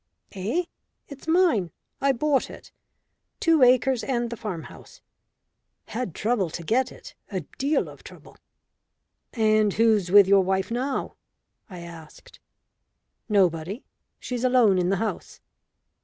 "Eh? It's mine I bought it. Two acres and the farm house. Had trouble to get it a deal of trouble." "And who's with your wife now?" I asked. "Nobody. She's alone in the house."